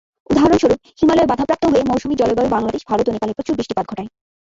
উদাহরণস্বরূপ, হিমালয়ে বাধাপ্রাপ্ত হয়ে মৌসুমী জলবায়ু বাংলাদেশ, ভারত ও নেপালে প্রচুর বৃষ্টিপাত ঘটায়।